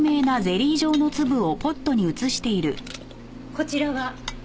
こちらは？